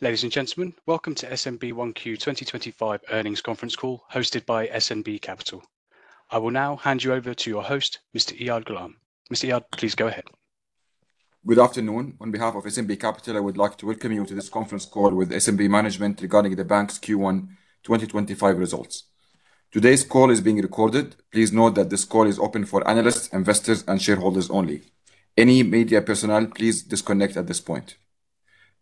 Ladies and gentlemen, welcome to SNB 1Q 2025 earnings conference call hosted by SNB Capital. I will now hand you over to your host, Mr. Iyad Ghulam. Mr. Iyad, please go ahead. Good afternoon. On behalf of SNB Capital, I would like to welcome you to this conference call with SNB management regarding the bank's Q1 2025 results. Today's call is being recorded. Please note that this call is open for analysts, investors and shareholders only. Any media personnel, please disconnect at this point.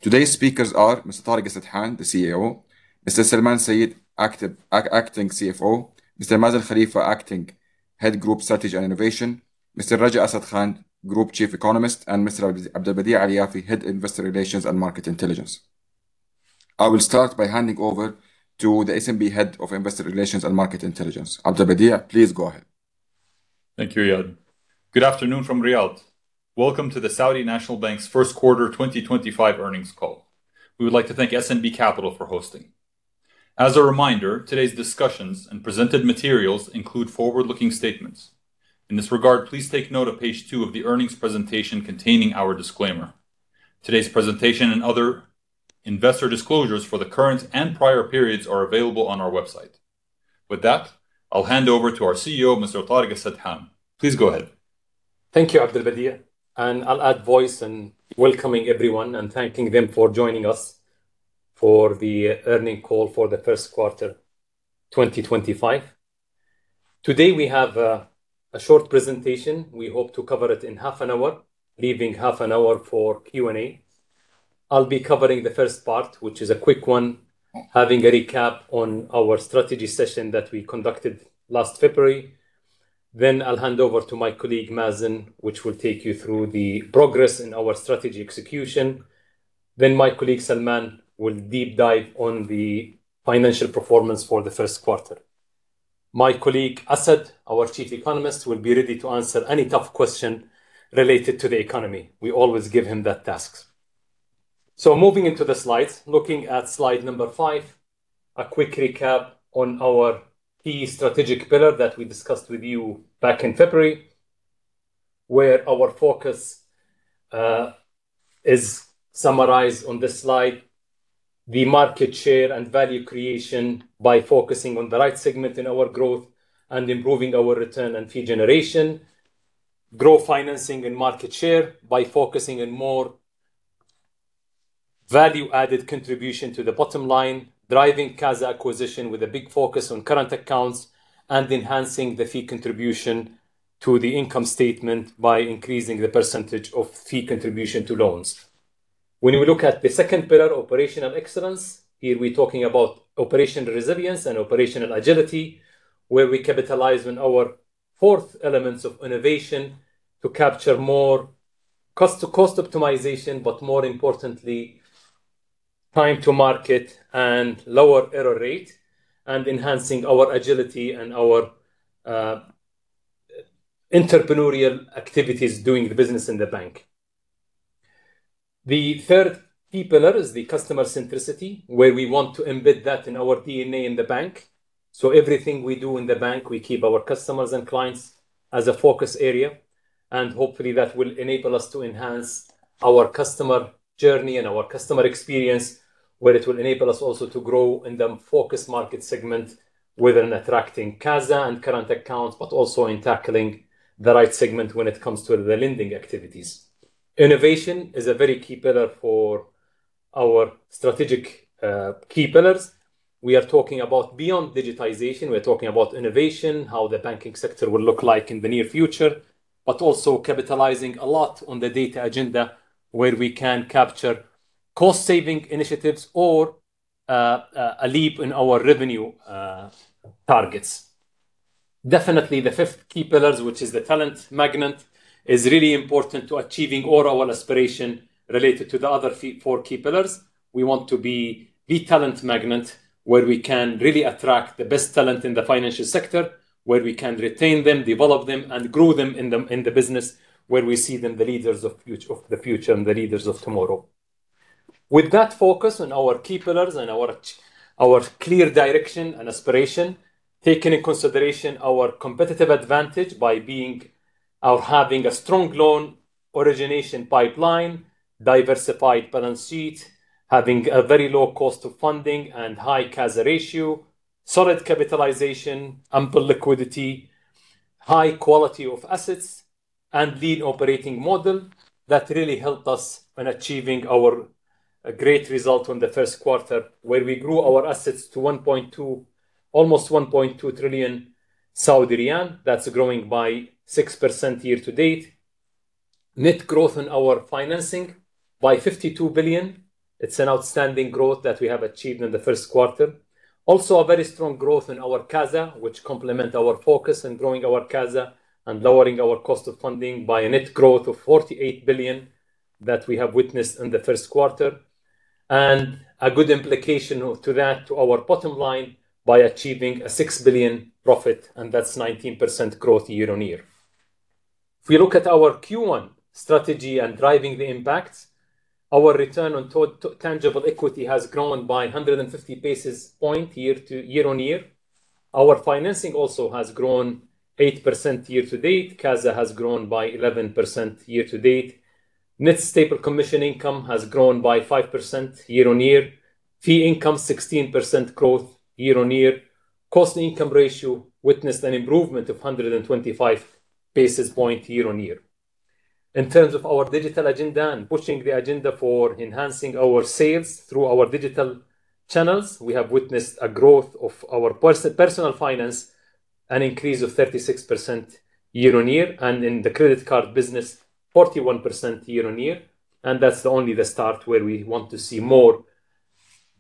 Today's speakers are Mr. Tareq Al-Sadhan, the CEO, Mr. Salman Syed, acting CFO, Mr. Mazen Khalefah, Acting Head Group Strategy and Innovation, Mr. Raja Asad Khan, Group Chief Economist, and Mr. Abdulbadie Alyafi, Head Investor Relations and Market Intelligence. I will start by handing over to the SNB Head of Investor Relations and Market Intelligence. Abdulbadie, please go ahead. Thank you, Iyad. Good afternoon from Riyadh. Welcome to The Saudi National Bank's first quarter 2025 earnings call. We would like to thank SNB Capital for hosting. As a reminder, today's discussions and presented materials include forward-looking statements. In this regard, please take note of page two of the earnings presentation containing our disclaimer. Today's presentation and other investor disclosures for the current and prior periods are available on our website. With that, I'll hand over to our CEO, Mr. Tareq Al-Sadhan. Please go ahead. Thank you, Abdulbadie. I'll add my voice in welcoming everyone and thanking them for joining us for the earnings call for the first quarter 2025. Today we have a short presentation. We hope to cover it in half an hour, leaving half an hour for Q&A. I'll be covering the first part, which is a quick one, having a recap on our strategy session that we conducted last February. Then I'll hand over to my colleague, Mazen, which will take you through the progress in our strategy execution. Then my colleague, Salman, will deep dive on the financial performance for the first quarter. My colleague, Asad, our Chief Economist, will be ready to answer any tough question related to the economy. We always give him that task. Moving into the slides, looking at slide five, a quick recap on our key strategic pillar that we discussed with you back in February, where our focus is summarized on this slide. The market share and value creation by focusing on the right segment in our growth and improving our return and fee generation. Grow financing and market share by focusing on more value-added contribution to the bottom line, driving CASA acquisition with a big focus on current accounts and enhancing the fee contribution to the income statement by increasing the percentage of fee contribution to loans. When we look at the second pillar, operational excellence, here we're talking about operational resilience and operational agility, where we capitalize on our fourth elements of innovation to capture more cost to cost optimization, but more importantly, time to market and lower error rate and enhancing our agility and our entrepreneurial activities doing the business in the bank. The third key pillar is the customer centricity, where we want to embed that in our DNA in the bank. Everything we do in the bank, we keep our customers and clients as a focus area, and hopefully that will enable us to enhance our customer journey and our customer experience, where it will enable us also to grow in the focused market segment, whether in attracting CASA and current accounts, but also in tackling the right segment when it comes to the lending activities. Innovation is a very key pillar for our strategic key pillars. We are talking about beyond digitization. We're talking about innovation, how the banking sector will look like in the near future, but also capitalizing a lot on the data agenda where we can capture cost saving initiatives or a leap in our revenue targets. Definitely the fifth key pillars, which is the talent magnet, is really important to achieving all our aspiration related to the other four key pillars. We want to be the talent magnet, where we can really attract the best talent in the financial sector, where we can retain them, develop them, and grow them in the business, where we see them the leaders of the future and the leaders of tomorrow. With that focus on our key pillars and our clear direction and aspiration, taking into consideration our competitive advantage by being or having a strong loan origination pipeline, diversified balance sheet, having a very low cost of funding and high CASA ratio, solid capitalization, ample liquidity, high quality of assets and lean operating model, that really helped us in achieving our great result on the first quarter, where we grew our assets to almost 1.2 trillion. That's growing by 6% year-to-date. Net growth in our financing by 52 billion. It's an outstanding growth that we have achieved in the first quarter. Also, a very strong growth in our CASA, which complement our focus in growing our CASA and lowering our cost of funding by a net growth of 48 billion that we have witnessed in the first quarter. A good implication to that to our bottom line by achieving 6 billion profit, and that's 19% growth year-over-year. If we look at our Q1 strategy and driving the impact, our return on tangible equity has grown by 150 basis points year-over-year. Our financing also has grown 8% year to date. CASA has grown by 11% year to date. Net special commission income has grown by 5% year-on-year. Fee income, 16% growth year-on-year. Cost-to-income ratio witnessed an improvement of 125 basis points year-on-year. In terms of our digital agenda and pushing the agenda for enhancing our sales through our digital channels, we have witnessed a growth of our personal finance, an increase of 36% year-on-year, and in the credit card business, 41% year-on-year. That's only the start where we want to see more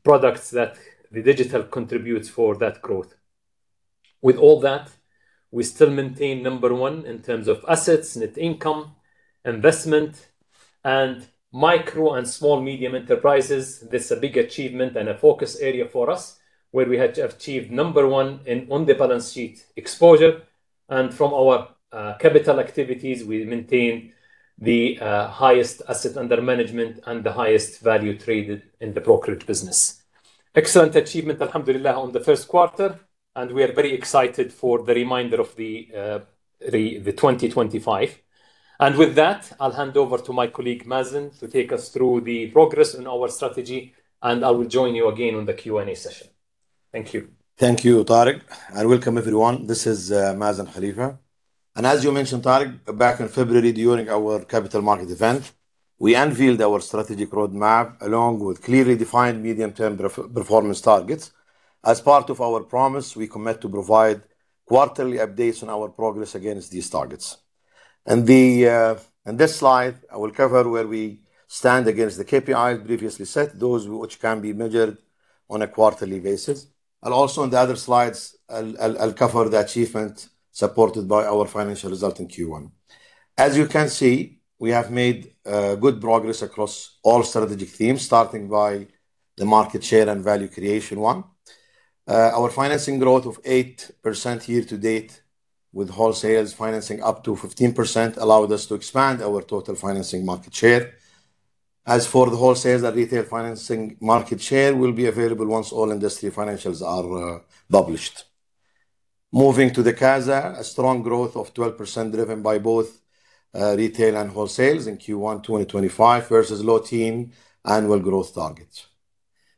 products that the digital contributes for that growth. With all that, we still maintain number one in terms of assets, net income, investment, and micro and small medium enterprises. This a big achievement and a focus area for us, where we had achieved number one in on the balance sheet exposure. From our capital activities, we maintain the highest asset under management and the highest value traded in the brokerage business. Excellent achievement, Alhamdulillah, on the first quarter, and we are very excited for the remainder of the 2025. With that, I'll hand over to my colleague, Mazen, to take us through the progress in our strategy, and I will join you again on the Q&A session. Thank you. Thank you, Tareq, and welcome everyone. This is Mazen Khalefah. As you mentioned, Tareq, back in February during our capital market event, we unveiled our strategic roadmap along with clearly defined medium-term performance targets. As part of our promise, we commit to provide quarterly updates on our progress against these targets. In this slide, I will cover where we stand against the KPIs previously set, those which can be measured on a quarterly basis. Also on the other slides, I'll cover the achievement supported by our financial result in Q1. As you can see, we have made good progress across all strategic themes, starting by the market share and value creation one. Our financing growth of 8% year to date with Wholesale financing up to 15% allowed us to expand our total financing market share. As for the Wholesale and Retail financing, market share will be available once all industry financials are published. Moving to the CASA, a strong growth of 12% driven by both retail and wholesale in Q1 2025 versus low-teen annual growth targets.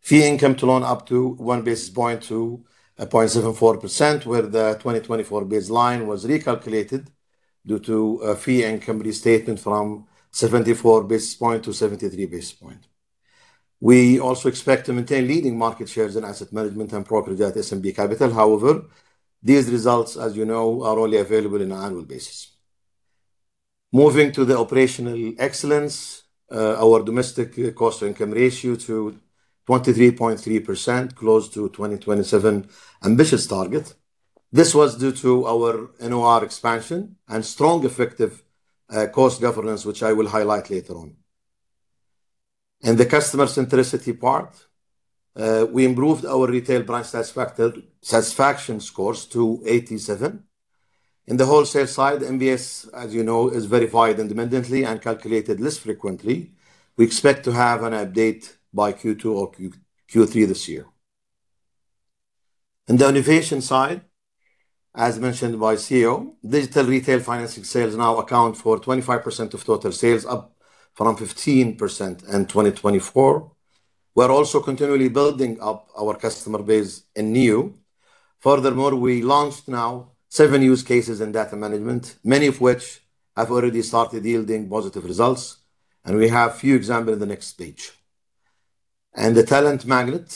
Fee income to loan up one basis point to 0.74%, where the 2024 baseline was recalculated due to a fee income restatement from 74 basis points to 73 basis points. We also expect to maintain leading market shares in asset management and brokerage at SNB Capital. However, these results, as you know, are only available on an annual basis. Moving to the operational excellence, our domestic cost-to-income ratio 23.3%, close to 2027 ambitious target. This was due to our NOR expansion and strong effective cost governance, which I will highlight later on. In the customer centricity part, we improved our retail brand satisfaction scores to 87%. In the wholesales side, NPS, as you know, is verified independently and calculated less frequently. We expect to have an update by Q2 or Q3 this year. In the innovation side, as mentioned by CEO, digital retail financing sales now account for 25% of total sales, up from 15% in 2024. We're also continually building up our customer base in NEO. Furthermore, we launched now seven use cases in data management, many of which have already started yielding positive results, and we have few examples in the next page. In the talent magnet,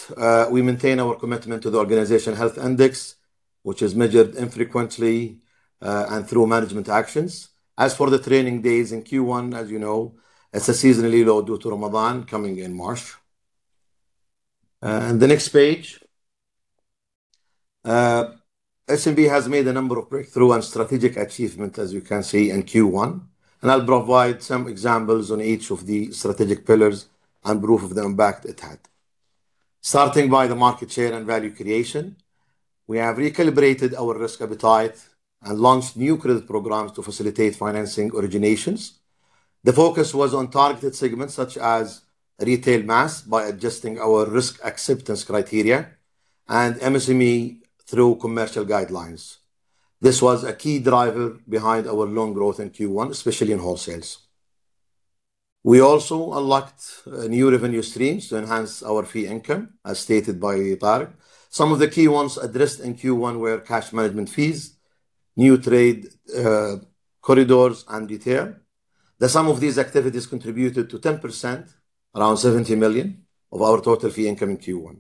we maintain our commitment to the Organizational Health Index, which is measured infrequently, and through management actions. As for the training days in Q1, as you know, it's a seasonally low due to Ramadan coming in March. SNB has made a number of breakthrough and strategic achievement, as you can see in Q1, and I'll provide some examples on each of the strategic pillars and proof of the impact it had. Starting by the market share and value creation, we have recalibrated our risk appetite and launched new credit programs to facilitate financing originations. The focus was on targeted segments such as retail mass by adjusting our risk acceptance criteria and MSME through commercial guidelines. This was a key driver behind our loan growth in Q1, especially in wholesales. We also unlocked new revenue streams to enhance our fee income, as stated by Tareq. Some of the key ones addressed in Q1 were cash management fees, new trade corridors, and retail. The sum of these activities contributed to 10%, around 70 million, of our total fee income in Q1.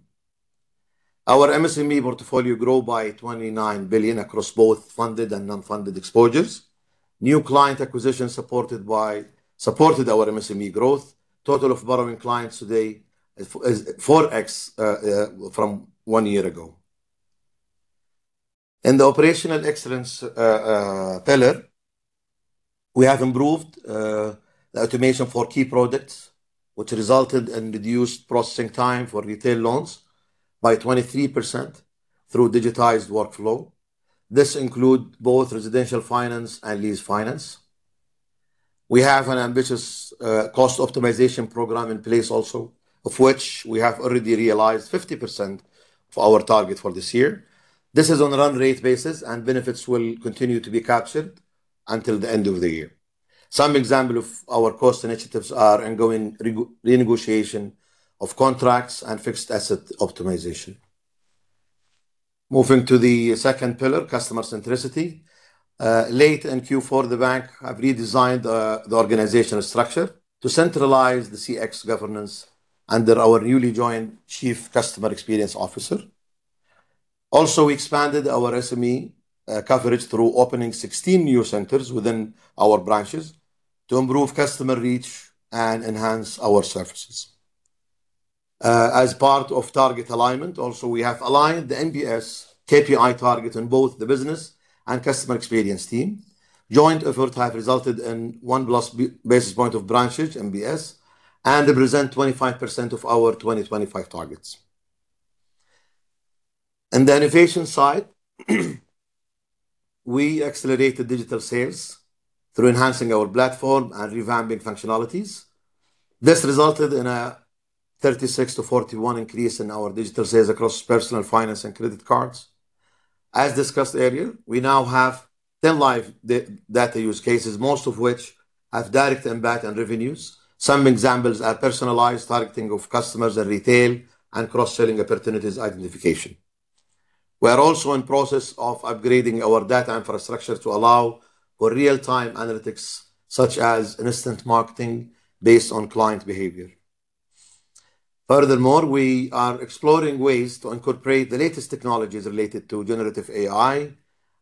Our MSME portfolio grow by 29 billion across both funded and non-funded exposures. New client acquisition supported our MSME growth. Total of borrowing clients today is 4x from one year ago. In the operational excellence pillar, we have improved the automation for key products, which resulted in reduced processing time for retail loans by 23% through digitized workflow. This include both residential finance and lease finance. We have an ambitious cost optimization program in place also, of which we have already realized 50% of our target for this year. This is on a run rate basis, and benefits will continue to be captured until the end of the year. Some example of our cost initiatives are ongoing renegotiation of contracts and fixed asset optimization. Moving to the second pillar, customer centricity. Late in Q4, the bank have redesigned the organizational structure to centralize the CX governance under our newly joined Chief Customer Experience Officer. Also, we expanded our SME coverage through opening 16 new centers within our branches to improve customer reach and enhance our services. As part of target alignment, also we have aligned the NPS KPI target in both the business and customer experience team. Joint effort have resulted in 1+ basis point of branches NPS and represent 25% of our 2025 targets. In the innovation side, we accelerated digital sales through enhancing our platform and revamping functionalities. This resulted in a 36%-41% increase in our digital sales across personal finance and credit cards. As discussed earlier, we now have 10 live data use cases, most of which have direct impact on revenues. Some examples are personalized targeting of customers and retail and cross-selling opportunities identification. We are also in process of upgrading our data infrastructure to allow for real-time analytics, such as instant marketing based on client behavior. Furthermore, we are exploring ways to incorporate the latest technologies related to generative AI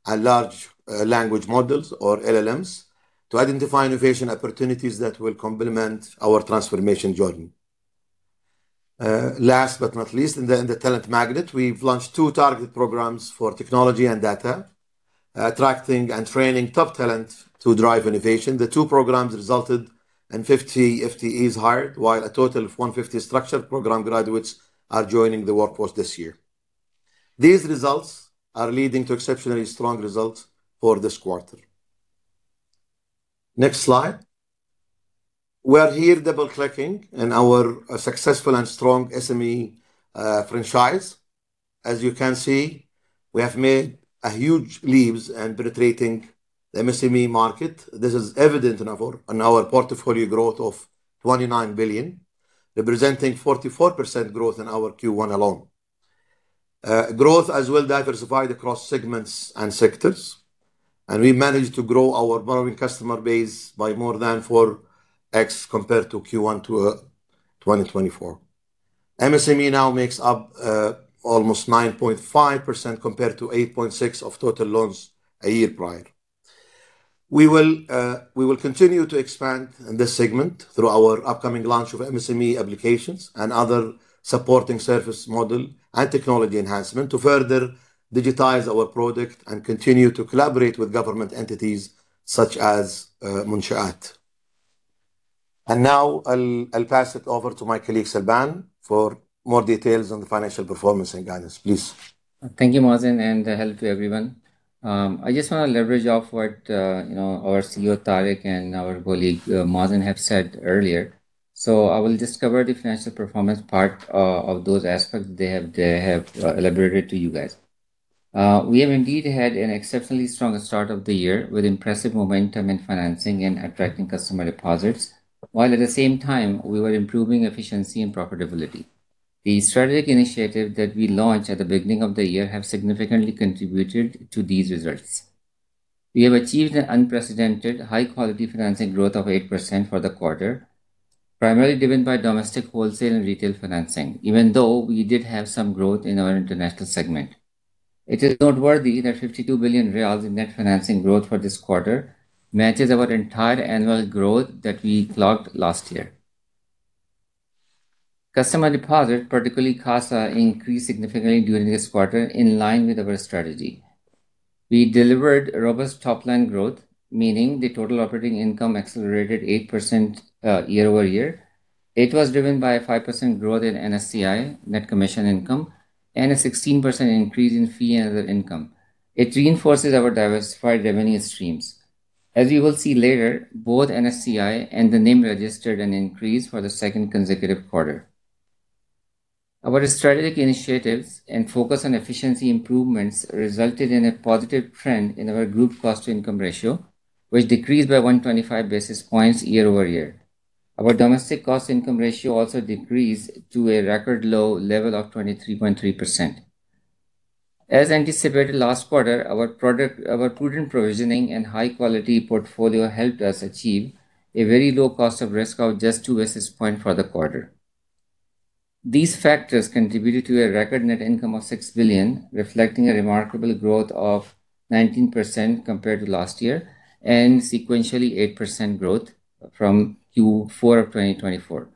and large language models or LLMs to identify innovation opportunities that will complement our transformation journey. Last but not least, in the talent magnet, we've launched two targeted programs for technology and data, attracting and training top talent to drive innovation. The two programs resulted in 50 FTEs hired, while a total of 150 structured program graduates are joining the workforce this year. These results are leading to exceptionally strong results for this quarter. Next slide. We are here double-clicking in our successful and strong SME franchise. As you can see, we have made a huge leaps in penetrating the MSME market. This is evident in our portfolio growth of 29 billion, representing 44% growth in our Q1 alone. Growth as well diversified across segments and sectors, and we managed to grow our borrowing customer base by more than 4x compared to Q1 2024. MSME now makes up almost 9.5% compared to 8.6% of total loans a year prior. We will continue to expand in this segment through our upcoming launch of MSME applications and other supporting service model and technology enhancement to further digitize our product and continue to collaborate with government entities such as Monsha'at. Now I'll pass it over to my colleague Salman Syed for more details on the financial performance and guidance. Please. Thank you, Mazen, and hello to everyone. I just want to leverage off what you know, our CEO, Tareq, and our colleague, Mazen have said earlier. I will just cover the financial performance part of those aspects they have elaborated to you guys. We have indeed had an exceptionally strong start of the year with impressive momentum in financing and attracting customer deposits, while at the same time we were improving efficiency and profitability. The strategic initiative that we launched at the beginning of the year have significantly contributed to these results. We have achieved an unprecedented high quality financing growth of 8% for the quarter, primarily driven by domestic wholesale and retail financing, even though we did have some growth in our international segment. It is noteworthy that 52 billion riyals in net financing growth for this quarter matches our entire annual growth that we clocked last year. Customer deposit, particularly CASA, increased significantly during this quarter in line with our strategy. We delivered robust top-line growth, meaning the total operating income accelerated 8% year-over-year. It was driven by a 5% growth in NSCI, net special commission income, and a 16% increase in fee and other income. It reinforces our diversified revenue streams. As you will see later, both NSCI and the NIM registered an increase for the second consecutive quarter. Our strategic initiatives and focus on efficiency improvements resulted in a positive trend in our group cost-to-income ratio, which decreased by 125 basis points year-over-year. Our domestic cost-to-income ratio also decreased to a record low level of 23.3%. As anticipated last quarter, our prudent provisioning and high-quality portfolio helped us achieve a very low cost of risk of just two basis points for the quarter. These factors contributed to a record net income of 6 billion, reflecting a remarkable growth of 19% compared to last year and sequentially 8% growth from Q4 of 2024.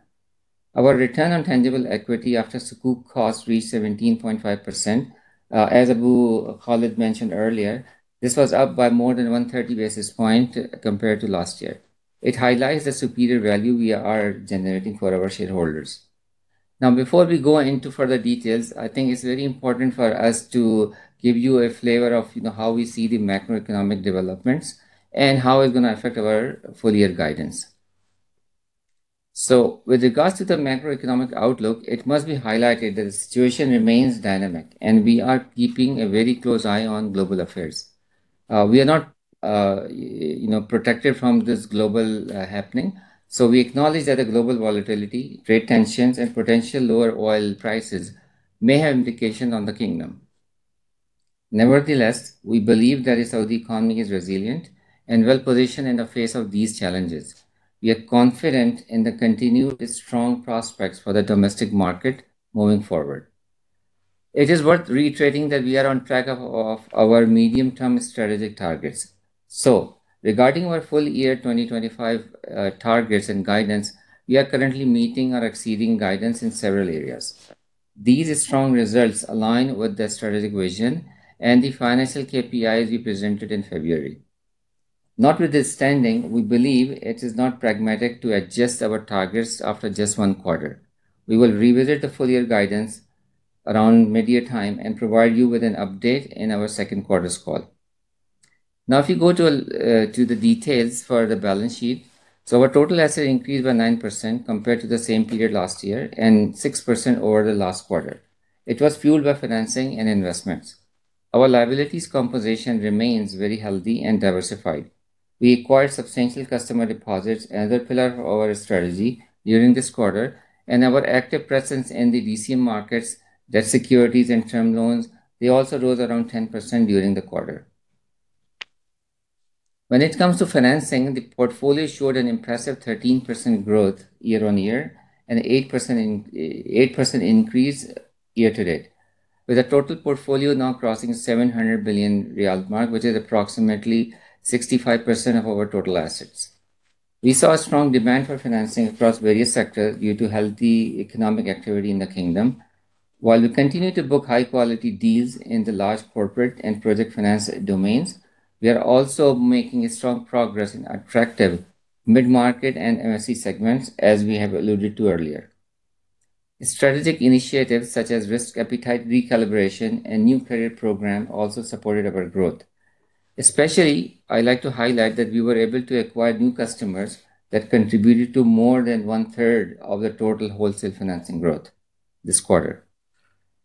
Our return on tangible equity after Sukuk cost reached 17.5%. As Abu Khalid mentioned earlier, this was up by more than 130 basis points compared to last year. It highlights the superior value we are generating for our shareholders. Now, before we go into further details, I think it's very important for us to give you a flavor of, you know, how we see the macroeconomic developments and how it's gonna affect our full year guidance. With regards to the macroeconomic outlook, it must be highlighted that the situation remains dynamic, and we are keeping a very close eye on global affairs. We are not protected from this global happening, so we acknowledge that the global volatility, trade tensions, and potential lower oil prices may have implication on the Kingdom. Nevertheless, we believe that the Saudi economy is resilient and well-positioned in the face of these challenges. We are confident in the continued strong prospects for the domestic market moving forward. It is worth reiterating that we are on track of our medium-term strategic targets. Regarding our full year 2025 targets and guidance, we are currently meeting or exceeding guidance in several areas. These strong results align with the strategic vision and the financial KPIs we presented in February. Notwithstanding, we believe it is not pragmatic to adjust our targets after just one quarter. We will revisit the full year guidance around mid-year time and provide you with an update in our second quarter's call. Now, if you go to the details for the balance sheet. Our total assets increased by 9% compared to the same period last year and 6% over the last quarter. It was fueled by financing and investments. Our liabilities composition remains very healthy and diversified. We acquired substantial customer deposits, another pillar of our strategy, during this quarter, and our active presence in the DCM markets, debt securities and term loans, they also rose around 10% during the quarter. When it comes to financing, the portfolio showed an impressive 13% growth year-on-year and 8% increase year-to-date, with the total portfolio now crossing 700 billion riyal mark, which is approximately 65% of our total assets. We saw a strong demand for financing across various sectors due to healthy economic activity in the Kingdom. While we continue to book high quality deals in the large corporate and project finance domains, we are also making a strong progress in attractive mid-market and MSME segments, as we have alluded to earlier. Strategic initiatives such as risk appetite recalibration and new credit program also supported our growth. Especially, I like to highlight that we were able to acquire new customers that contributed to more than 1/3 of the total Wholesale financing growth this quarter.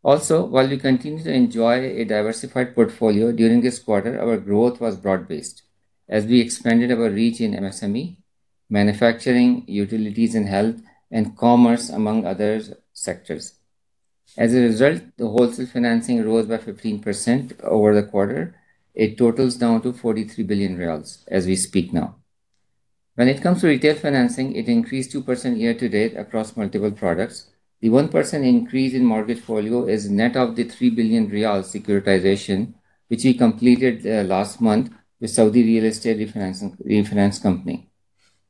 Also, while we continue to enjoy a diversified portfolio during this quarter, our growth was broad-based as we expanded our reach in MSME, manufacturing, utilities and health, and commerce, among other sectors. As a result, the Wholesale financing rose by 15% over the quarter. It totals to SAR 43 billion as we speak now. When it comes to Retail financing, it increased 2% year to date across multiple products. The 1% increase in mortgage portfolio is net of the 3 billion riyal securitization, which we completed last month with Saudi Real Estate Refinance Company.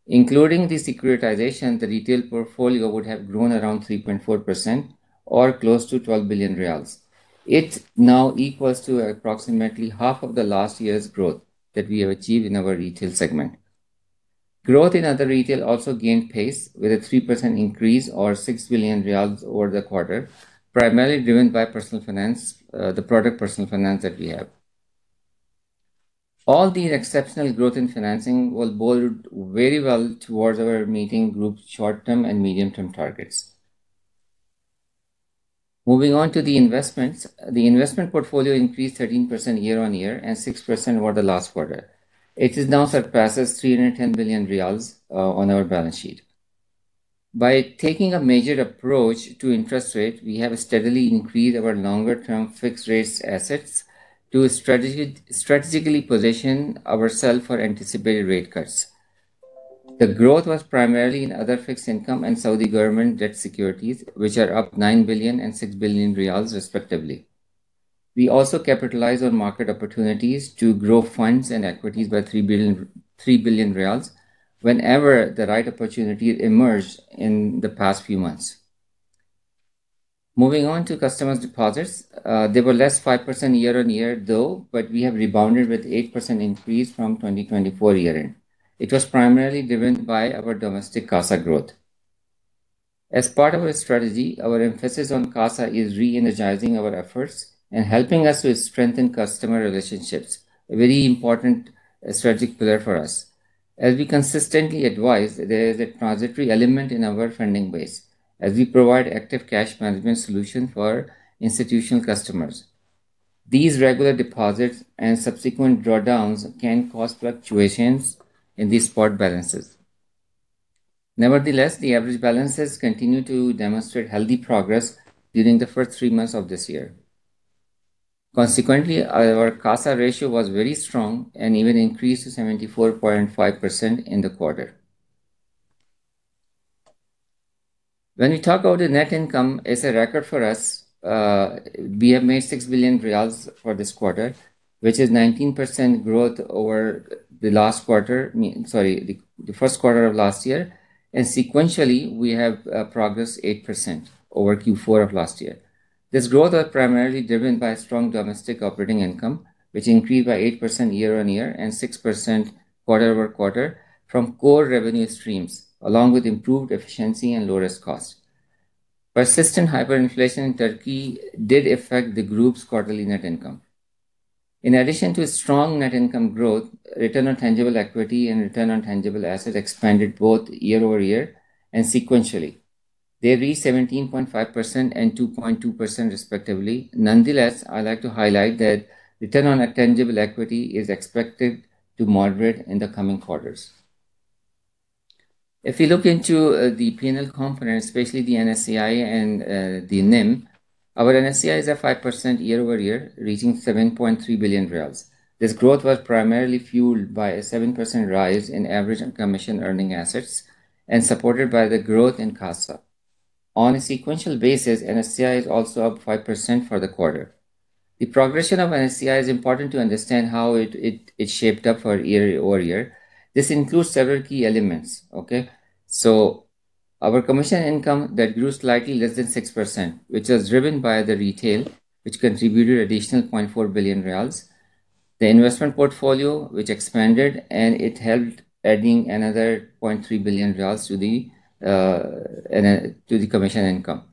Including the securitization, the retail portfolio would have grown around 3.4% or close to 12 billion riyals. It now equals to approximately half of the last year's growth that we have achieved in our retail segment. Growth in other retail also gained pace with a 3% increase or 6 billion riyals over the quarter, primarily driven by personal finance, the product personal finance that we have. All these exceptional growth in financing will bode very well towards our meeting Group's short-term and medium-term targets. Moving on to the investments. The investment portfolio increased 13% year-on-year and 6% over the last quarter. It now surpasses 310 billion riyals on our balance sheet. By taking a measured approach to interest rate, we have steadily increased our longer-term fixed-rate assets to strategically position ourselves for anticipated rate cuts. The growth was primarily in other fixed income and Saudi government debt securities, which are up 9 billion and 6 billion riyals respectively. We also capitalize on market opportunities to grow funds and equities by 3 billion whenever the right opportunity emerged in the past few months. Moving on to customers' deposits. They were 5% less year-on-year, though we have rebounded with 8% increase from 2024 year-end. It was primarily driven by our domestic CASA growth. As part of our strategy, our emphasis on CASA is re-energizing our efforts and helping us to strengthen customer relationships, a very important strategic pillar for us. As we consistently advise, there is a transitory element in our funding base, as we provide active cash management solution for institutional customers. These regular deposits and subsequent drawdowns can cause fluctuations in the spot balances. Nevertheless, the average balances continue to demonstrate healthy progress during the first three months of this year. Consequently, our CASA ratio was very strong and even increased to 74.5% in the quarter. When we talk about the net income, it's a record for us. We have made 6 billion riyals for this quarter, which is 19% growth over the last quarter. I mean, sorry, the first quarter of last year. Sequentially, we have progressed 8% over Q4 of last year. This growth is primarily driven by strong domestic operating income, which increased by 8% year-on-year and 6% quarter-over-quarter from core revenue streams, along with improved efficiency and lower risk costs. Persistent hyperinflation in Turkey did affect the Group's quarterly net income. In addition to a strong net income growth, return on tangible equity and return on tangible assets expanded both year-on-year and sequentially. They reached 17.5% and 2.2% respectively. Nonetheless, I'd like to highlight that return on tangible equity is expected to moderate in the coming quarters. If you look into the P&L components, especially the NSCI and the NIM. Our NSCI is at 5% year-over-year, reaching 7.3 billion riyals. This growth was primarily fueled by a 7% rise in average and commission earning assets and supported by the growth in CASA. On a sequential basis, NSCI is also up 5% for the quarter. The progression of NSCI is important to understand how it shaped up for year-over-year. This includes several key elements. Our commission income that grew slightly less than 6%, which was driven by the retail, which contributed additional 0.4 billion riyals. The investment portfolio, which expanded, and it helped adding another 0.3 billion riyals to the commission income.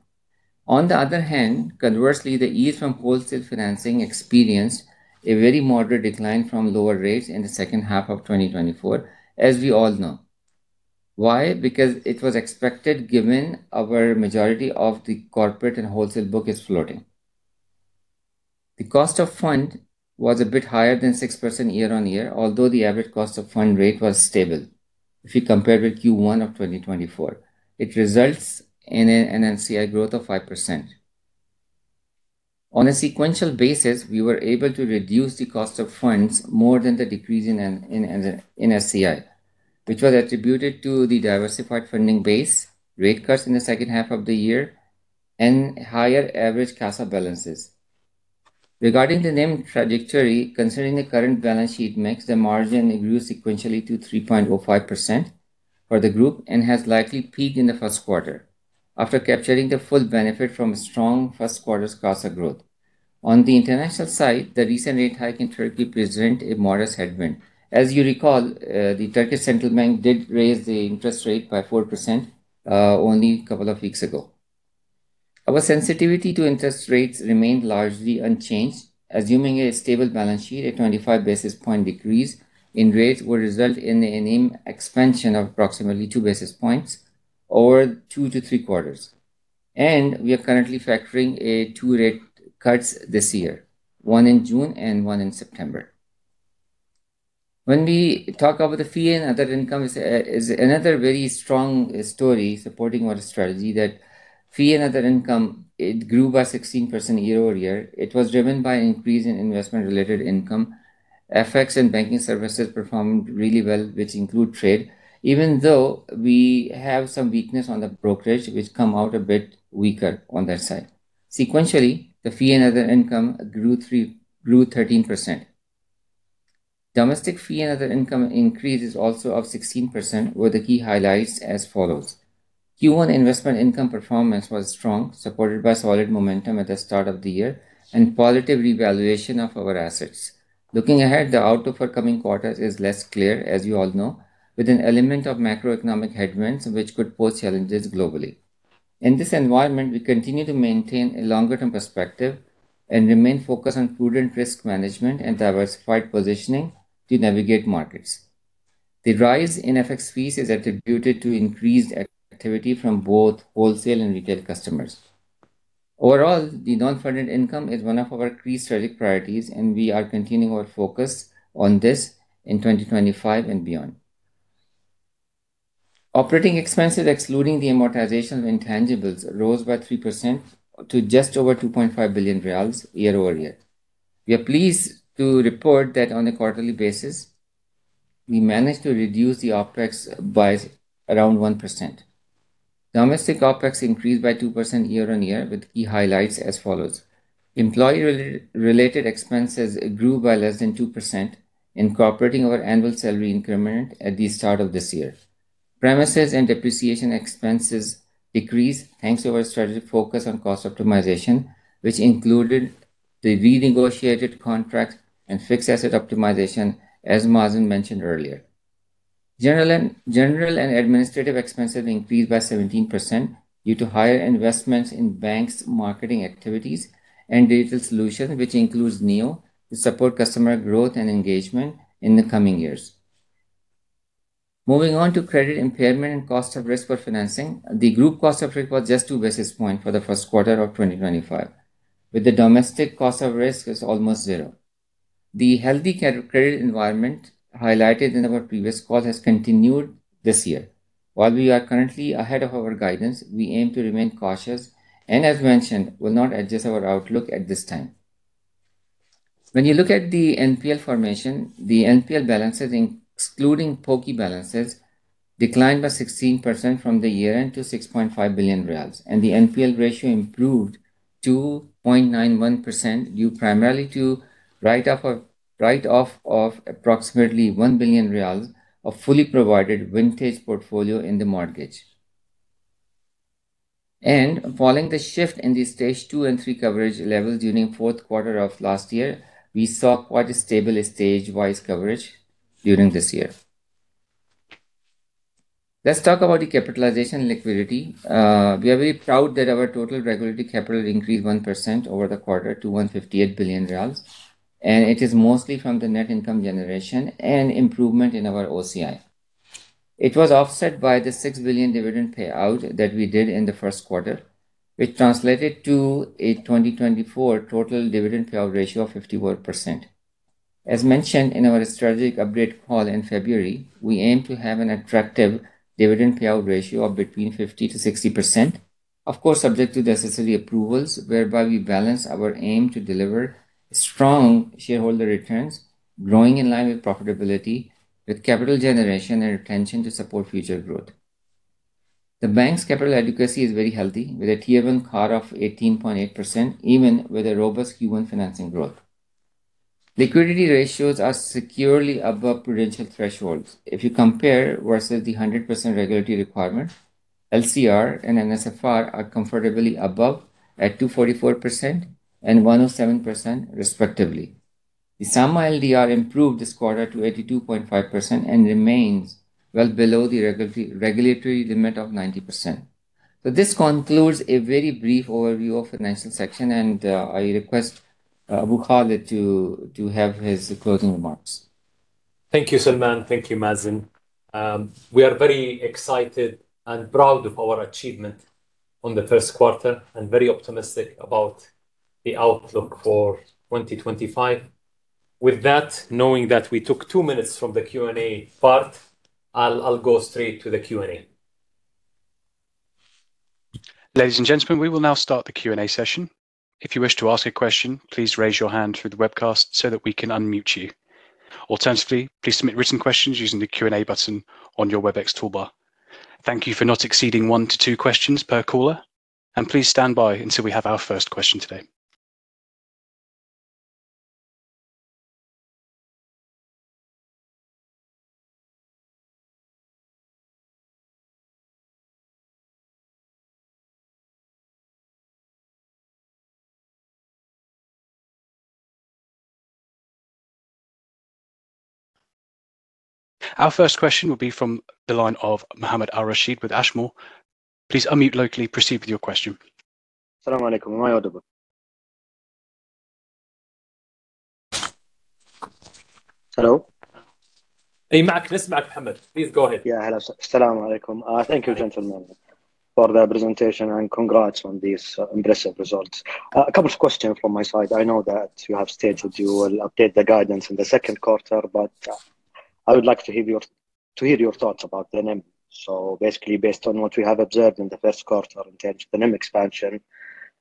On the other hand, conversely, the yield from Wholesale financing experienced a very moderate decline from lower rates in the second half of 2024, as we all know. Why? Because it was expected, given our majority of the corporate and wholesale book is floating. The cost of fund was a bit higher than 6% year-on-year, although the average cost of fund rate was stable if you compare with Q1 of 2024. It results in an NSCI growth of 5%. On a sequential basis, we were able to reduce the cost of funds more than the decrease in NIM and NSCI, which was attributed to the diversified funding base, rate cuts in the second half of the year, and higher average CASA balances. Regarding the NIM trajectory, considering the current balance sheet mix, the margin grew sequentially to 3.05% for the Group and has likely peaked in the first quarter after capturing the full benefit from a strong first quarter's CASA growth. On the international side, the recent rate hike in Turkey presents a modest headwind. As you recall, the Turkish Central Bank did raise the interest rate by 4% only a couple of weeks ago. Our sensitivity to interest rates remained largely unchanged. Assuming a stable balance sheet, a 25 basis point decrease in rates will result in a NIM expansion of approximately two basis points over two to three quarters. We are currently factoring two rate cuts this year, one in June and one in September. When we talk about the fee and other income, it is another very strong story supporting our strategy that fee and other income, it grew by 16% year-over-year. It was driven by an increase in investment-related income. FX and banking services performed really well, which include trade, even though we have some weakness on the brokerage, which come out a bit weaker on that side. Sequentially, the fee and other income grew 13%. Domestic fee and other income increase is also up 16%, with the key highlights as follows. Q1 investment income performance was strong, supported by solid momentum at the start of the year and positive revaluation of our assets. Looking ahead, the outlook for coming quarters is less clear, as you all know, with an element of macroeconomic headwinds which could pose challenges globally. In this environment, we continue to maintain a longer term perspective and remain focused on prudent risk management and diversified positioning to navigate markets. The rise in FX fees is attributed to increased activity from both Wholesale and Retail customers. Overall, the non-funded income is one of our key strategic priorities, and we are continuing our focus on this in 2025 and beyond. Operating expenses, excluding the amortization of intangibles, rose by 3% to just over SAR 2.5 billion year-over-year. We are pleased to report that on a quarterly basis, we managed to reduce the OpEx by around 1%. Domestic OpEx increased by 2% year on year, with key highlights as follows: Employee-related expenses grew by less than 2%, incorporating our annual salary increment at the start of this year. Premises and depreciation expenses decreased thanks to our strategic focus on cost optimization, which included the renegotiated contracts and fixed asset optimization, as Mazen mentioned earlier. General and administrative expenses increased by 17% due to higher investments in bank's marketing activities and digital solutions, which includes Neo, to support customer growth and engagement in the coming years. Moving on to credit impairment and cost of risk for financing. The Group cost of risk was just two basis points for the first quarter of 2025, with the domestic cost of risk was almost zero. The healthy credit environment highlighted in our previous calls has continued this year. While we are currently ahead of our guidance, we aim to remain cautious and, as mentioned, will not adjust our outlook at this time. When you look at the NPL formation, the NPL balances, excluding POCI balances, declined by 16% from the year-end to SAR 6.5 billion, and the NPL ratio improved 2.91% due primarily to write off of approximately 1 billion riyals. A fully provided vintage portfolio in the mortgage. Following the shift in the stage two and three coverage levels during fourth quarter of last year, we saw quite a stable stage-wise coverage during this year. Let's talk about the capitalization and liquidity. We are very proud that our total regulatory capital increased 1% over the quarter to 158 billion riyals, and it is mostly from the net income generation and improvement in our OCI. It was offset by the 6 billion dividend payout that we did in the first quarter, which translated to a 2024 total dividend payout ratio of 51%. As mentioned in our strategic update call in February, we aim to have an attractive dividend payout ratio of between 50%-60%, of course, subject to the necessary approvals, whereby we balance our aim to deliver strong shareholder returns, growing in line with profitability, with capital generation and retention to support future growth. The bank's capital adequacy is very healthy, with a Tier 1 CAR of 18.8%, even with a robust Q1 financing growth. Liquidity ratios are securely above prudential thresholds. If you compare versus the 100% regulatory requirement, LCR and NSFR are comfortably above at 244% and 107% respectively. The SAMA LDR improved this quarter to 82.5% and remains well below the regulatory limit of 90%. This concludes a very brief overview of the national section, and I request Abu Khalid to have his closing remarks. Thank you, Salman. Thank you, Mazen. We are very excited and proud of our achievement on the first quarter and very optimistic about the outlook for 2025. With that, knowing that we took two minutes from the Q&A part, I'll go straight to the Q&A. Ladies and gentlemen, we will now start the Q&A session. If you wish to ask a question, please raise your hand through the webcast so that we can unmute you. Alternatively, please submit written questions using the Q&A button on your Webex toolbar. Thank you for not exceeding one to two questions per caller, and please stand by until we have our first question today. Our first question will be from the line of Mohammed Al-Rasheed with Ashmore. Please unmute locally. Proceed with your question. Salaam alaikum. Am I audible? Hello? Please go ahead. Hello, sir. Salam Alaikum. Thank you, gentlemen, for the presentation, and congrats on these impressive results. A couple of questions from my side. I know that you have stated you will update the guidance in the second quarter, but I would like to hear your thoughts about the NIM. Basically, based on what we have observed in the first quarter in terms of the NIM expansion,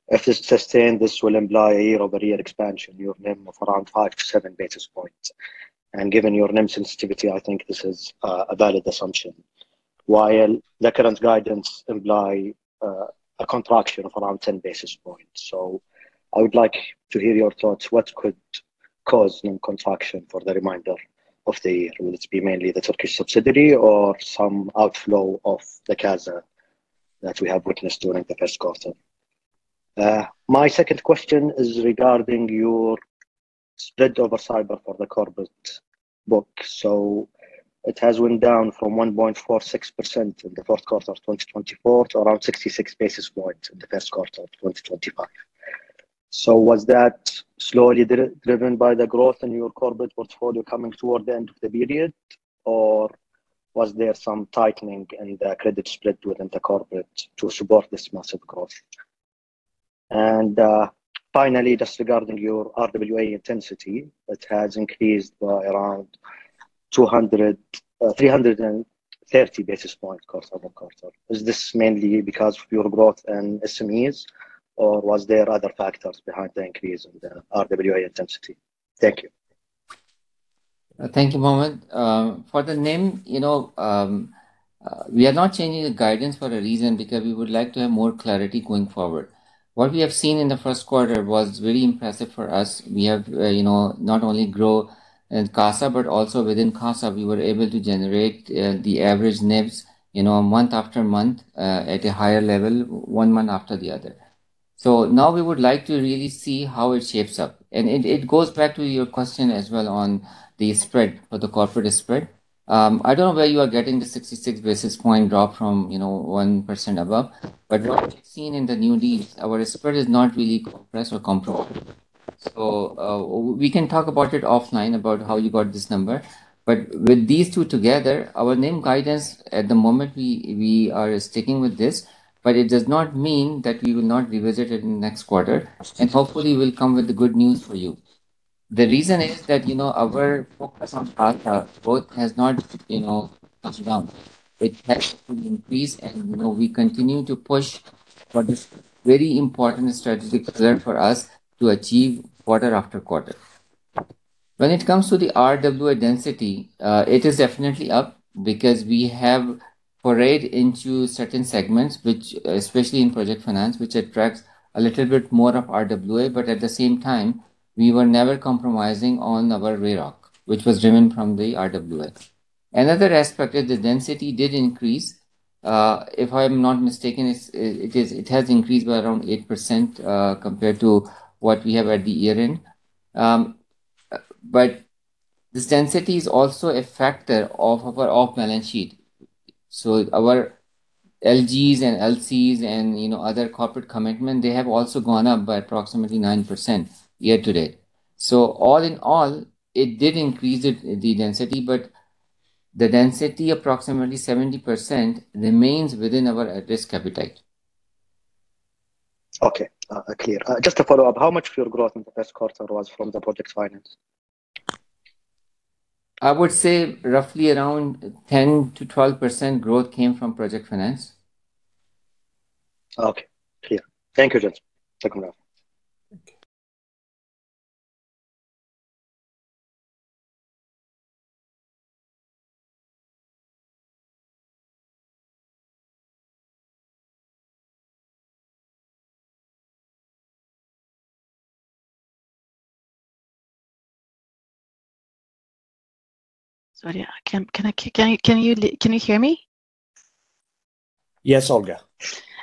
if this is sustained, this will imply a year-over-year expansion, your NIM of around five to seven basis points. Given your NIM sensitivity, I think this is a valid assumption. While the current guidance imply a contraction of around 10 basis points. I would like to hear your thoughts. What could cause NIM contraction for the remainder of the year? Will it be mainly the Turkish subsidiary or some outflow of the CASA that we have witnessed during the first quarter? My second question is regarding your spread over SAIBOR for the corporate book. It has went down from 1.46% in the fourth quarter of 2024 to around 66 basis points in the first quarter of 2025. Was that slowly driven by the growth in your corporate portfolio coming toward the end of the period, or was there some tightening in the credit spread within the corporate to support this massive growth? Finally, just regarding your RWA intensity, it has increased by around 230 basis points quarter over quarter. Is this mainly because of your growth in SMEs, or was there other factors behind the increase in the RWA intensity? Thank you. Thank you, Mohammed Al-Rashid. For the NIM, you know, we are not changing the guidance for a reason, because we would like to have more clarity going forward. What we have seen in the first quarter was very impressive for us. We have, you know, not only grow in CASA, but also within CASA, we were able to generate, the average NIMs, you know, month after month, at a higher level one month after the other. Now we would like to really see how it shapes up. It goes back to your question as well on the spread, for the corporate spread. I don't know where you are getting the 66 basis points drop from, you know, 1% above, but what we've seen in the new deals, our spread is not really compressed or comparable. We can talk about it offline about how you got this number. With these two together, our NIM guidance at the moment, we are sticking with this, but it does not mean that we will not revisit it in the next quarter. Hopefully we'll come with the good news for you. The reason is that, you know, our focus on CASA growth has not, you know, touched down. It has to increase, and, you know, we continue to push for this very important strategic pillar for us to achieve quarter after quarter. When it comes to the RWA density, it is definitely up because we have foray into certain segments, which, especially in project finance, which attracts a little bit more of RWA, but at the same time, we were never compromising on our ROE, which was driven from the RWA. Another aspect is the density did increase. If I'm not mistaken, it has increased by around 8%, compared to what we have at the year-end. This density is also a factor of our off-balance sheet. Our LGs and LCs and, you know, other corporate commitment, they have also gone up by approximately 9% year to date. All in all, it did increase the density, but the density, approximately 70%, remains within our risk appetite. Okay. Clear. Just to follow up, how much of your growth in the first quarter was from the project finance? I would say roughly around 10%-12% growth came from project finance. Okay. Clear. Thank you, gentlemen. Take care. Sorry, can you hear me? Yes, Olga.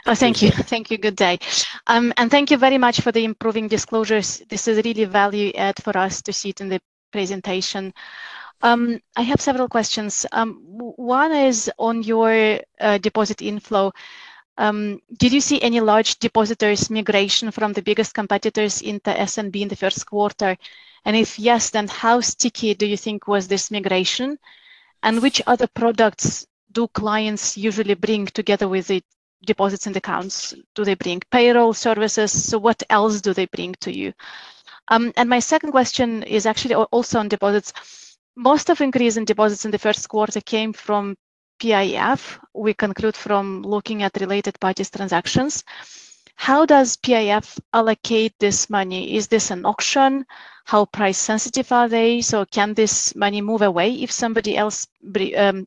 Oh, thank you. Thank you. Good day. Thank you very much for the improving disclosures. This is really value add for us to see it in the presentation. I have several questions. One is on your deposit inflow. Did you see any large depositors migration from the biggest competitors in the SNB in the first quarter? And if yes, then how sticky do you think was this migration? And which other products do clients usually bring together with the deposits and accounts? Do they bring payroll services? What else do they bring to you? My second question is actually also on deposits. Most of increase in deposits in the first quarter came from PIF. We conclude from looking at related parties transactions. How does PIF allocate this money? Is this an auction? How price sensitive are they? Can this money move away if somebody else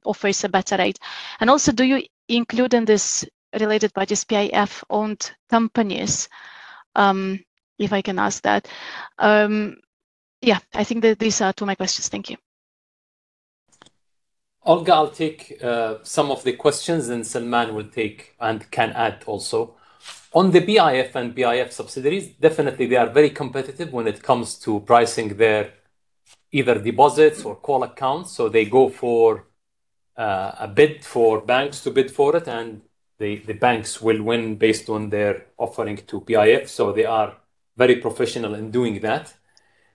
offers a better rate? Also, do you include in this related parties PIF-owned companies? If I can ask that. Yeah, I think that these are two of my questions. Thank you. Olga, I'll take some of the questions, and Salman will take and can add also. On the PIF and PIF subsidiaries, definitely they are very competitive when it comes to pricing their either deposits or call accounts. They go for a bid for banks to bid for it, and the banks will win based on their offering to PIF. They are very professional in doing that.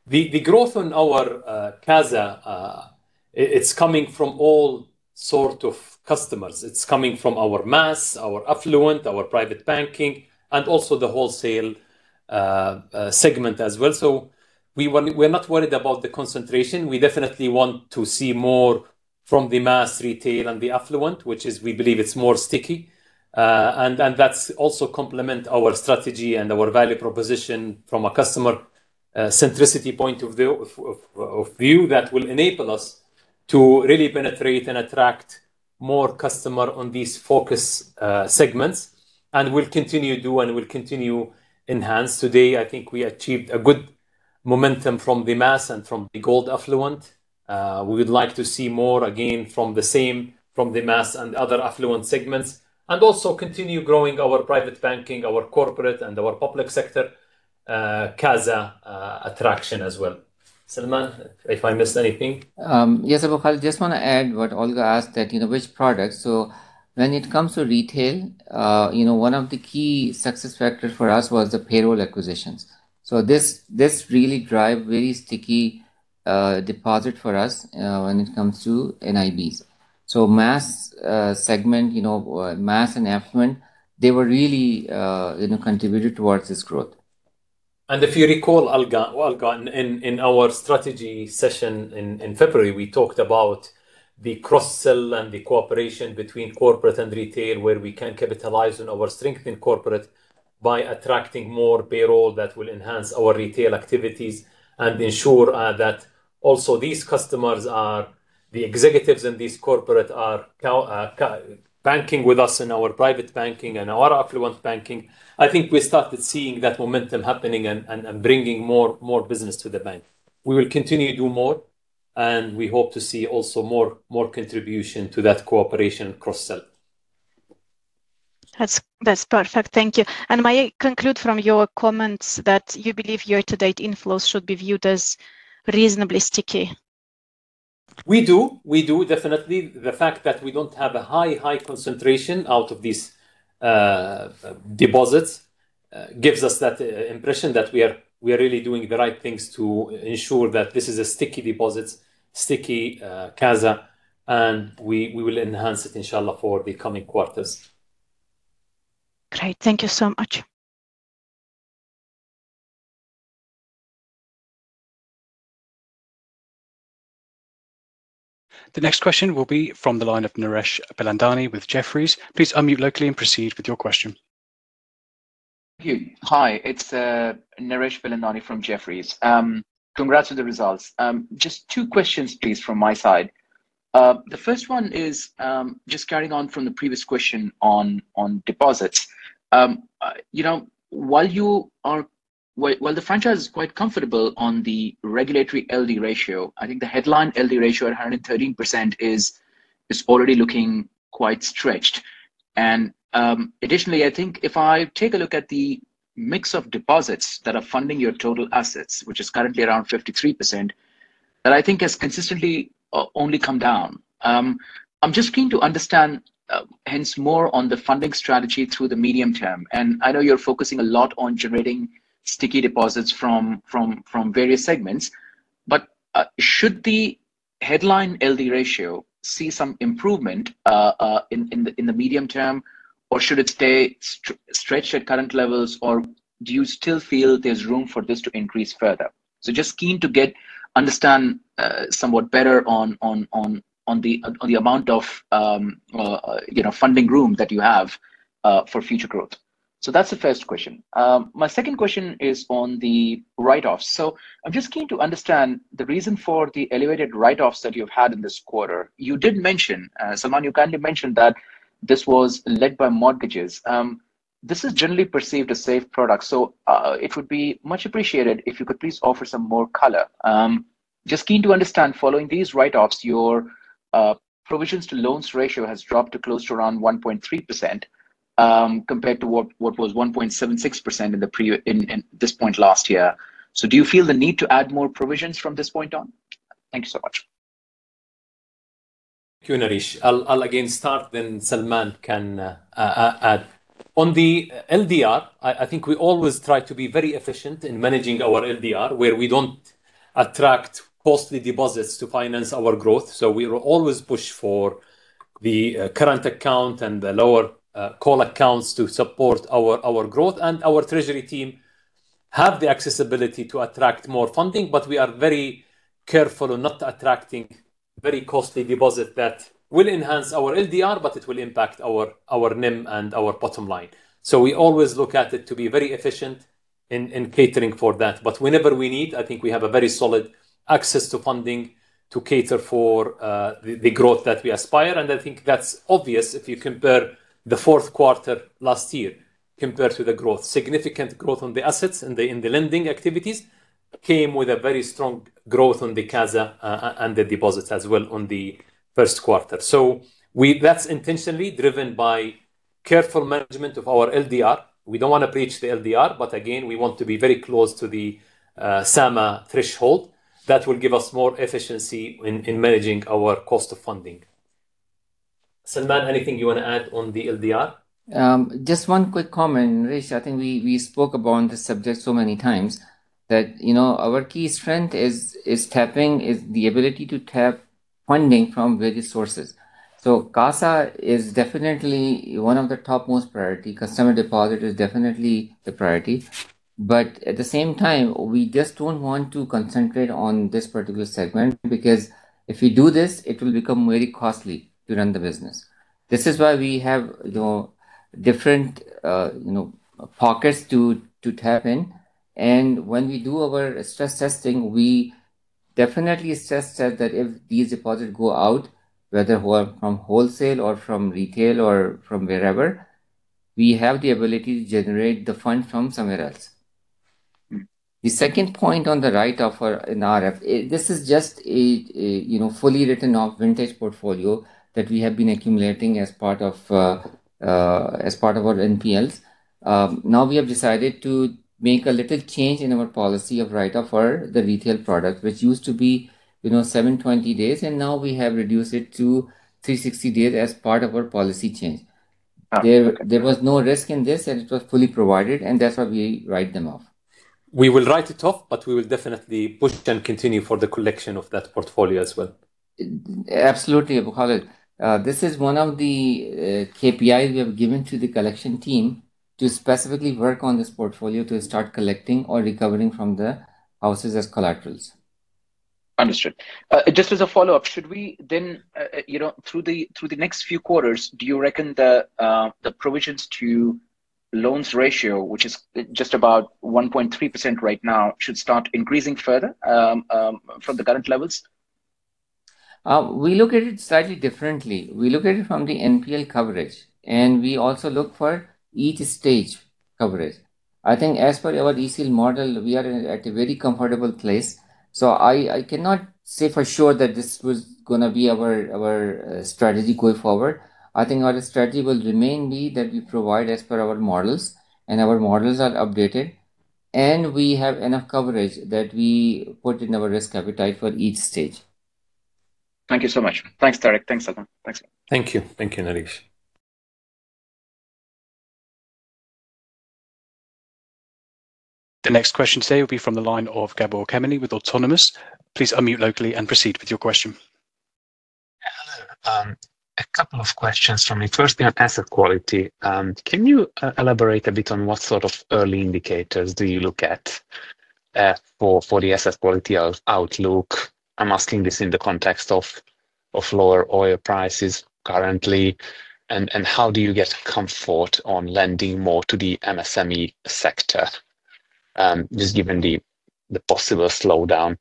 The growth on our CASA, it's coming from all sort of customers. It's coming from our mass, our affluent, our private banking, and also the Wholesale segment as well. We want. We're not worried about the concentration. We definitely want to see more from the mass retail and the affluent, which is we believe it's more sticky. That's also complements our strategy and our value proposition from a customer centricity point of view that will enable us to really penetrate and attract more customers in these focused segments. We'll continue to do and we'll continue to enhance. Today, I think we achieved a good momentum from the mass and from the gold affluent. We would like to see more again from the same, from the mass and other affluent segments, and also continue growing our private banking, our corporate, and our public sector CASA attraction as well. Salman, if I missed anything. Yes, Abu Khalid. Just want to add what Olga asked that, you know, which product. When it comes to Retail, you know, one of the key success factors for us was the payroll acquisitions. This really drive very sticky deposit for us when it comes to NIBs. Mass segment, you know, mass and affluent, they were really, you know, contributed towards this growth. If you recall, Olga, in our strategy session in February, we talked about the cross-sell and the cooperation between corporate and retail, where we can capitalize on our strength in corporate by attracting more payroll that will enhance our retail activities and ensure that also these customers, the executives in these corporates, are banking with us in our private banking and our affluent banking. I think we started seeing that momentum happening and bringing more business to the bank. We will continue to do more, and we hope to see also more contribution to that cooperation cross-sell. That's perfect. Thank you. May I conclude from your comments that you believe year-to-date inflows should be viewed as reasonably sticky? We do, definitely. The fact that we don't have a high concentration out of these deposits gives us that impression that we are really doing the right things to ensure that this is sticky deposits, sticky CASA, and we will enhance it, Inshallah, for the coming quarters. Great. Thank you so much. The next question will be from the line of Naresh Bilandani with Jefferies. Please unmute locally and proceed with your question. Thank you. Hi, it's Naresh Bilandani from Jefferies. Congrats on the results. Just two questions please from my side. The first one is just carrying on from the previous question on deposits. You know, while the franchise is quite comfortable on the regulatory LDR, I think the headline LDR at 113% is already looking quite stretched. Additionally, I think if I take a look at the mix of deposits that are funding your total assets, which is currently around 53%, that I think has consistently only come down. I'm just keen to understand hence more on the funding strategy through the medium term. I know you're focusing a lot on generating sticky deposits from various segments. Should the headline LDR see some improvement in the medium term or should it stay stretched at current levels or do you still feel there's room for this to increase further? Just keen to understand somewhat better on the amount of, you know, funding room that you have for future growth. That's the first question. My second question is on the write-offs. I'm just keen to understand the reason for the elevated write-offs that you've had in this quarter. You did mention, Salman, you kindly mentioned that this was led by mortgages. This is generally perceived as a safe product, so it would be much appreciated if you could please offer some more color. Just keen to understand following these write-offs, your provisions to loans ratio has dropped to close to around 1.3%, compared to what was 1.76% in this point last year. Do you feel the need to add more provisions from this point on? Thank you so much. Thank you, Naresh. I'll again start then Salman can add. On the LDR, I think we always try to be very efficient in managing our LDR, where we don't attract costly deposits to finance our growth. We will always push for the current account and the low-cost call accounts to support our growth. Our treasury team have the accessibility to attract more funding, but we are very careful on not attracting very costly deposit that will enhance our LDR, but it will impact our NIM and our bottom line. We always look at it to be very efficient in catering for that. Whenever we need, I think we have a very solid access to funding to cater for the growth that we aspire. I think that's obvious if you compare the fourth quarter last year compared to the growth. Significant growth on the assets and in the lending activities came with a very strong growth on the CASA and the deposits as well on the first quarter. That's intentionally driven by careful management of our LDR. We don't wanna breach the LDR, but again, we want to be very close to the SAMA threshold. That will give us more efficiency in managing our cost of funding. Salman, anything you wanna add on the LDR? Just one quick comment, Naresh. I think we spoke about this subject so many times that our key strength is the ability to tap funding from various sources. CASA is definitely one of the topmost priority. Customer deposit is definitely the priority. But at the same time, we just don't want to concentrate on this particular segment because if we do this, it will become very costly to run the business. This is why we have different pockets to tap in. When we do our stress testing, we definitely stress test that if these deposits go out, whether they were from Wholesale or from Retail or from wherever, we have the ability to generate the fund from somewhere else. The second point on the write-off for NRF, this is just a you know, fully written off vintage portfolio that we have been accumulating as part of our NPLs. Now we have decided to make a little change in our policy of write-off for the retail product, which used to be, you know, 720 days, and now we have reduced it to 360 days as part of our policy change. Okay. There was no risk in this, and it was fully provided, and that's why we write them off. We will write it off, but we will definitely push and continue for the collection of that portfolio as well. Absolutely, Abu Khalid. This is one of the KPI we have given to the collection team to specifically work on this portfolio to start collecting or recovering from the houses as collaterals. Understood. Just as a follow-up, should we then, you know, through the next few quarters, do you reckon the provisions to loans ratio, which is just about 1.3% right now, should start increasing further from the current levels? We look at it slightly differently. We look at it from the NPL coverage, and we also look for each stage coverage. I think as per our ECL model, we are at a very comfortable place, so I cannot say for sure that this was gonna be our strategy going forward. I think our strategy will remain be that we provide as per our models, and our models are updated, and we have enough coverage that we put in our risk appetite for each stage. Thank you so much. Thanks, Tareq. Thanks, Salman. Thanks. Thank you. Thank you, Naresh. The next question today will be from the line of Gabor Kemeny with Autonomous. Please unmute locally and proceed with your question. Hello. A couple of questions from me. First on asset quality. Can you elaborate a bit on what sort of early indicators do you look at? For the asset quality outlook, I'm asking this in the context of lower oil prices currently, and how do you get comfort on lending more to the MSME sector, just given the possible slowdown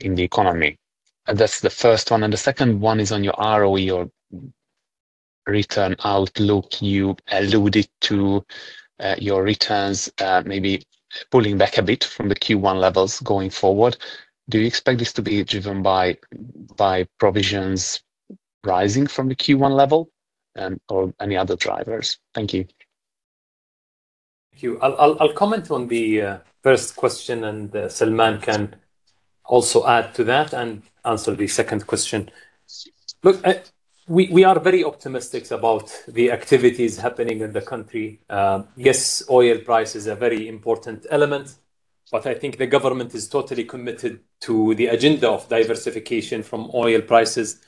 in the economy? That's the first one. The second one is on your ROE, your return outlook. You alluded to your returns maybe pulling back a bit from the Q1 levels going forward. Do you expect this to be driven by provisions rising from the Q1 level, or any other drivers? Thank you. Thank you. I'll comment on the first question, and Salman can also add to that and answer the second question. Look, we are very optimistic about the activities happening in the country. Yes, oil price is a very important element, but I think the government is totally committed to the agenda of diversification from oil prices.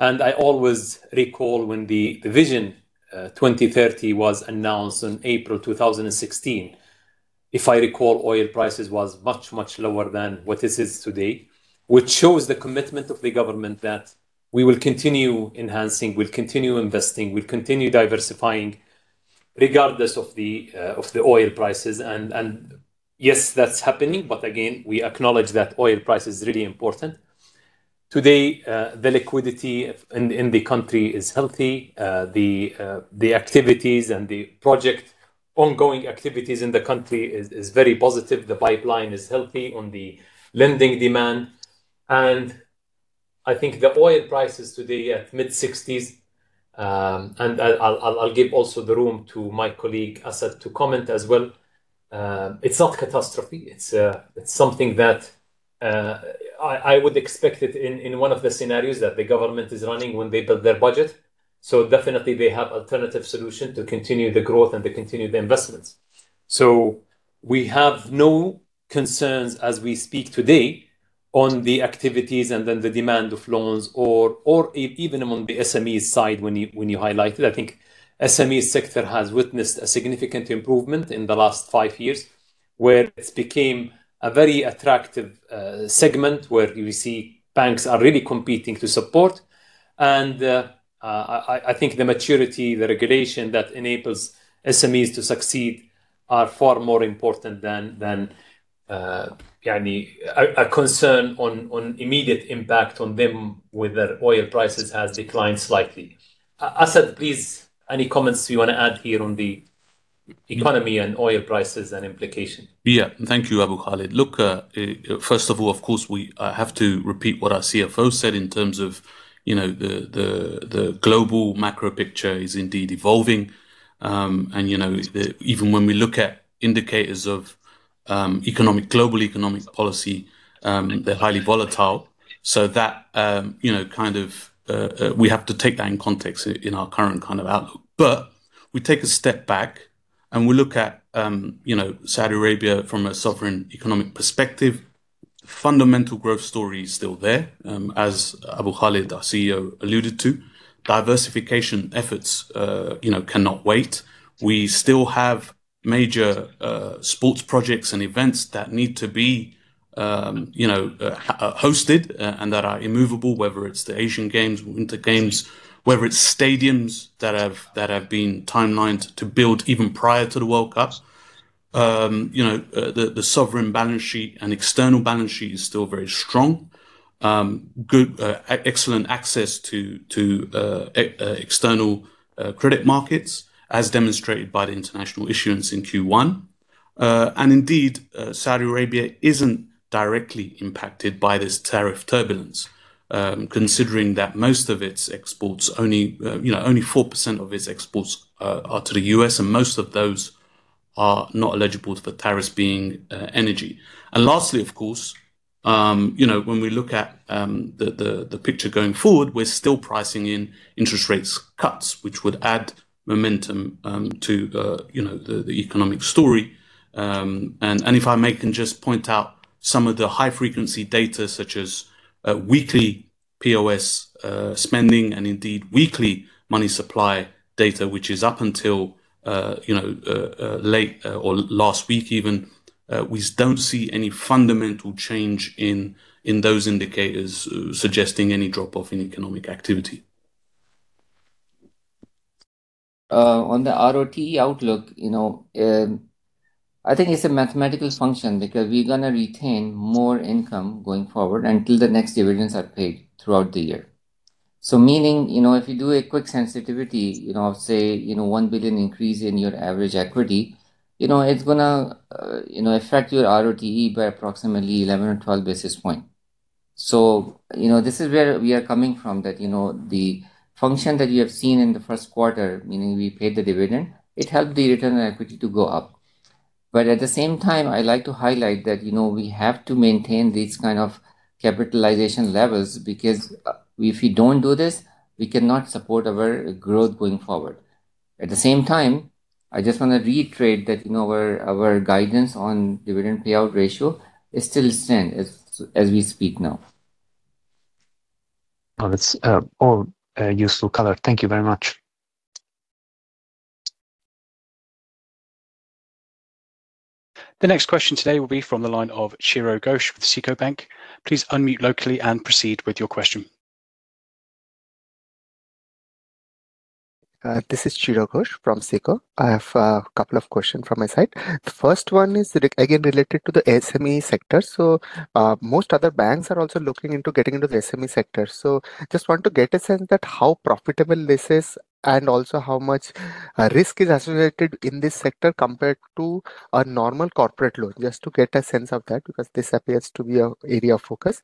I always recall when the Vision 2030 was announced in April 2016, if I recall, oil prices was much lower than what it is today, which shows the commitment of the government that we will continue enhancing, we'll continue investing, we'll continue diversifying regardless of the oil prices. Yes, that's happening, but again, we acknowledge that oil price is really important. Today, the liquidity in the country is healthy. The activities and the ongoing activities in the country is very positive. The pipeline is healthy on the lending demand. I think the oil prices today at mid-$60s, and I'll give also the room to my colleague, Asad, to comment as well. It's not catastrophe. It's something that I would expect it in one of the scenarios that the government is running when they build their budget. Definitely they have alternative solution to continue the growth and to continue the investments. We have no concerns as we speak today on the activities and then the demand of loans or even among the SME side when you highlighted. I think SME sector has witnessed a significant improvement in the last five years, where it's became a very attractive segment where you see banks are really competing to support. I think the maturity, the regulation that enables SMEs to succeed are far more important than a concern on immediate impact on them whether oil prices have declined slightly. Asad, please, any comments you want to add here on the economy and oil prices and implication? Yeah. Thank you, Abu Khalid. Look, first of all, of course, we have to repeat what our CFO said in terms of, you know, the global macro picture is indeed evolving. You know, even when we look at indicators of global economic policy, they're highly volatile. That you know, kind of, we have to take that in context in our current kind of outlook. We take a step back, and we look at, you know, Saudi Arabia from a sovereign economic perspective. Fundamental growth story is still there, as Abu Khalid, our CEO, alluded to. Diversification efforts, you know, cannot wait. We still have major sports projects and events that need to be you know hosted and that are immovable, whether it's the Asian Games, Winter Games, whether it's stadiums that have timelines to build even prior to the World Cups. The sovereign balance sheet and external balance sheet is still very strong. Excellent access to external credit markets, as demonstrated by the international issuance in Q1. Indeed, Saudi Arabia isn't directly impacted by this tariff turbulence, considering that only 4% of its exports are to the U.S. and most of those are not eligible for tariffs being energy. Lastly, of course, you know, when we look at the picture going forward, we're still pricing in interest rates cuts, which would add momentum to the you know the economic story. If I may can just point out some of the high-frequency data such as weekly POS spending and indeed weekly money supply data, which is up until you know late or last week even, we don't see any fundamental change in those indicators suggesting any drop-off in economic activity. On the ROTE outlook, you know, I think it's a mathematical function because we're gonna retain more income going forward until the next dividends are paid throughout the year. Meaning, you know, if you do a quick sensitivity, you know, of say, you know, 1 billion increase in your average equity, you know, it's gonna, you know, affect your ROTE by approximately 11 or 12 basis points. You know, this is where we are coming from that, you know, the function that you have seen in the first quarter, meaning we paid the dividend, it helped the return on equity to go up. At the same time, I like to highlight that, you know, we have to maintain these kind of capitalization levels because, if we don't do this, we cannot support our growth going forward. At the same time, I just want to reiterate that, you know, our guidance on dividend payout ratio is still the same as we speak now. Well, that's all useful color. Thank you very much. The next question today will be from the line of Chiro Ghosh with SICO Bank. Please unmute locally and proceed with your question. This is Chiro Ghosh from SICO. I have a couple of questions from my side. The first one is again related to the SME sector. Most other banks are also looking into getting into the SME sector. I just want to get a sense of how profitable this is and also how much risk is associated in this sector compared to a normal corporate loan, just to get a sense of that, because this appears to be an area of focus.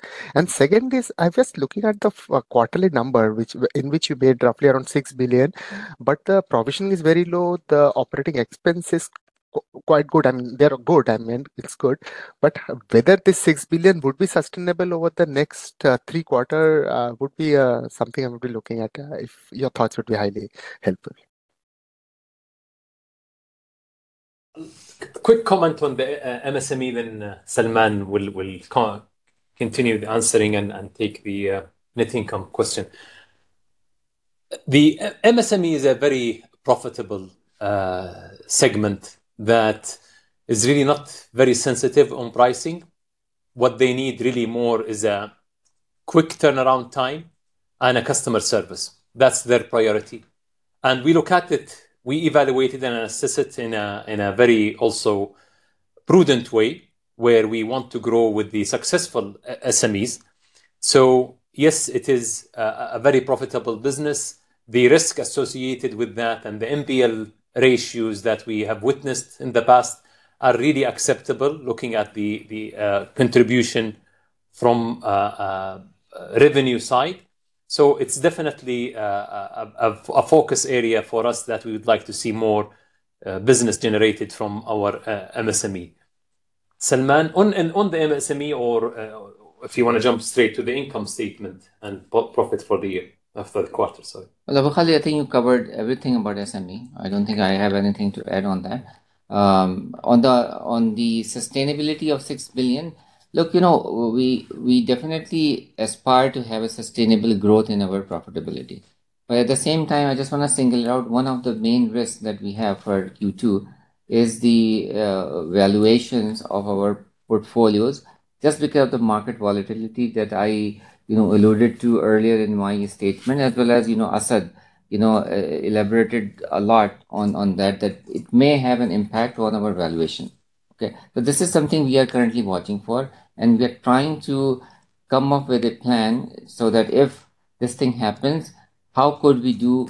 Second is, I'm just looking at the first-quarterly number in which you made roughly around 6 billion, but the provision is very low, the operating expense is quite good, and they are good, I mean, it's good. Whether this 6 billion would be sustainable over the next three quarters would be something I would be looking at. If your thoughts would be highly helpful. Quick comment on the MSME, then Salman will continue the answering and take the net income question. The MSME is a very profitable segment that is really not very sensitive on pricing. What they need really more is a quick turnaround time and a customer service. That's their priority. We look at it, we evaluate it and assess it in a very also prudent way where we want to grow with the successful SMEs. Yes, it is a very profitable business. The risk associated with that and the NPL ratios that we have witnessed in the past are really acceptable looking at the contribution from revenue side. It's definitely a focus area for us that we would like to see more business generated from our MSME. Salman, on the MSME or if you wanna jump straight to the income statement and profits for the year, for the quarter, sorry. Abu Khalid, I think you covered everything about SME. I don't think I have anything to add on that. On the sustainability of 6 billion, look, you know, we definitely aspire to have a sustainable growth in our profitability. At the same time, I just wanna single out one of the main risks that we have for Q2 is the valuations of our portfolios, just because of the market volatility that I, you know, alluded to earlier in my statement, as well as, you know, Asad, you know, elaborated a lot on that it may have an impact on our valuation. Okay. This is something we are currently watching for, and we're trying to come up with a plan so that if this thing happens, how could we do,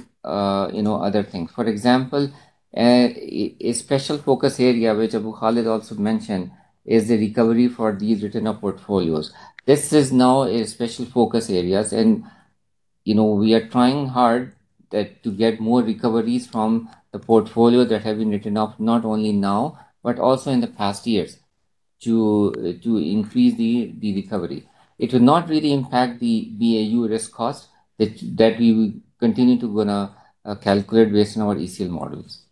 you know, other things? For example, a special focus area, which Abu Khalid also mentioned, is the recovery for these written-off portfolios. This is now a special focus areas and, you know, we are trying hard that to get more recoveries from the portfolio that have been written off, not only now, but also in the past years to increase the recovery. It will not really impact the BAU risk cost that we will continue to gonna calculate based on our ECL models.